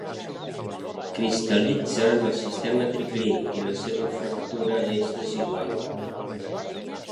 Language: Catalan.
Cristal·litza en el sistema triclínic i la seva fractura és desigual.